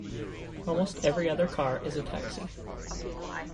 Almost every other car is a taxi.